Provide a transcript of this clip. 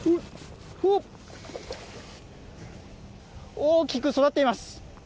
大きく育っています。